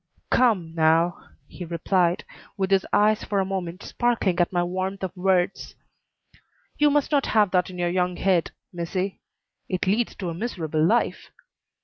"Come, now," he replied, with his eyes for a moment sparkling at my warmth of words; "you must not have that in your young head, missy. It leads to a miserable life.